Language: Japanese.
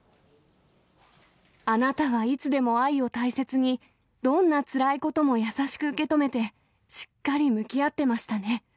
あなたはいつでも愛を大切に、どんなつらいことも優しく受け止めて、しっかり向き合ってましたね。